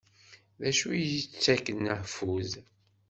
Dacu i ak-yettakken afud?